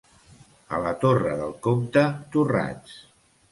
A la Torre del Comte, torrats.